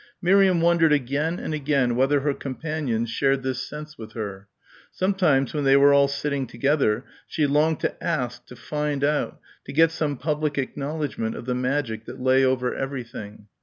Miriam wondered again and again whether her companions shared this sense with her. Sometimes when they were all sitting together she longed to ask, to find out, to get some public acknowledgment of the magic that lay over everything.